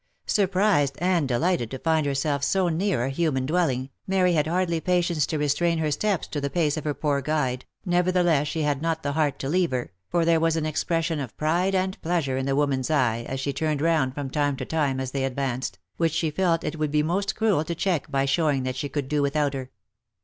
Surprised and delighted to find herself so near a human dwelling, Mary had hardly patience to restrain her steps to the pace of her poor guide, nevertheless she had not the heart to leave her, for there was an expression of pride and pleasure in the woman's eye as she turned round from time to time as they advanced, which she felt it would be most cruel to check by showing that she could do without her.